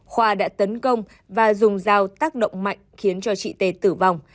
khoa đã tấn công và dùng dao tác động mạnh khiến cho chị tê tử vong